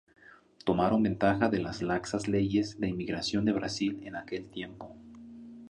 Tomaron ventaja de las laxas leyes de inmigración de Brasil en aquel tiempo.